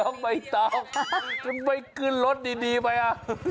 ไม่ต้องไม่ขึ้นรถดีไปอ่ะ